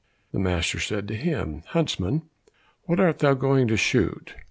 The master said to him, "Huntsman, what art thou going to shoot?"